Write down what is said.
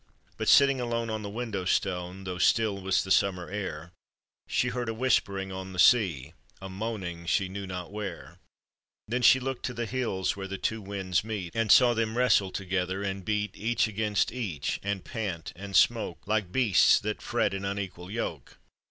But sitting alone on the window stone, Though still was the summer air, She heard a whispering on the sea, A moaning she knew not where; Then she looked to the hills where the two winds meet, And saw them wrestle together, and beat Each against each, and pant and smoke Like beasts that fret in unequal yoke.